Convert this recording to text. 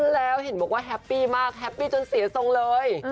แล้วเห็นบอกว่าแฮปปี้มากแฮปปี้จนเสียทรงเลย